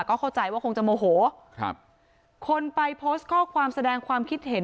ก็เข้าใจว่าคงจะโมโหครับคนไปโพสต์ข้อความแสดงความคิดเห็น